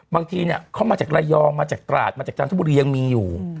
บางทีเขามาจากระยองมาจากตราดมาจากจันทบุรียังมีอยู่